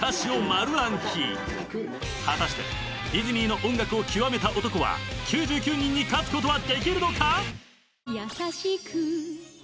［果たしてディズニーの音楽を極めた男は９９人に勝つことはできるのか？］